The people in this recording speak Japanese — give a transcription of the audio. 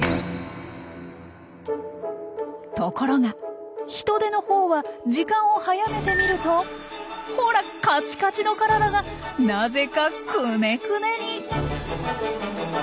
ところがヒトデのほうは時間を早めて見るとほらカチカチの体がなぜかくねくねに！